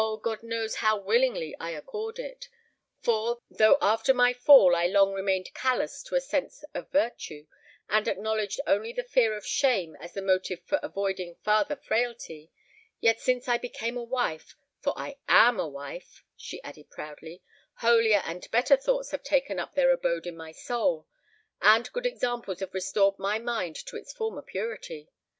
God knows how willingly I accord it! For, though after my fall I long remained callous to a sense of virtue, and acknowledged only the fear of shame as the motive for avoiding farther frailty, yet since I became a wife—for I am a wife," she added proudly,—"holier and better thoughts have taken up their abode in my soul; and good examples have restored my mind to its former purity!